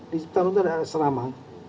di sekitar itu ada asrama